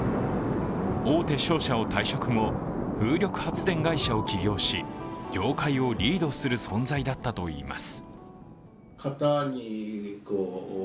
大手商社を退職後、風力発電会社を起業し、業界をリードする存在だったといいます。